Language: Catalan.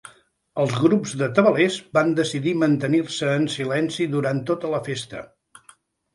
Els grups de tabalers van decidir mantenir-se en silenci durant tota la festa.